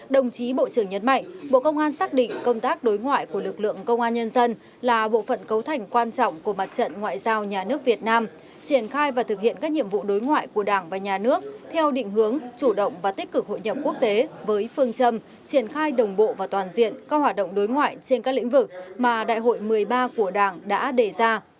đồng chí bộ trưởng nhấn mạnh bộ công an xác định công tác đối ngoại của lực lượng công an nhân dân là bộ phận cấu thành quan trọng của mặt trận ngoại giao nhà nước việt nam triển khai và thực hiện các nhiệm vụ đối ngoại của đảng và nhà nước theo định hướng chủ động và tích cực hội nhập quốc tế với phương châm triển khai đồng bộ và toàn diện các hoạt động đối ngoại trên các lĩnh vực mà đại hội một mươi ba của đảng đã đề ra